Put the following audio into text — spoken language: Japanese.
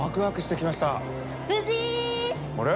あれ？